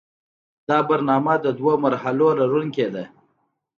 دا برنامه د دوو مرحلو لرونکې ده.